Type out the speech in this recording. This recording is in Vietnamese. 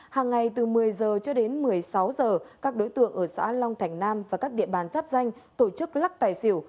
hàng ngày từ một mươi h cho đến một mươi sáu h các đối tượng ở xã long thành nam và các địa bàn giáp danh tổ chức lắc tài xỉu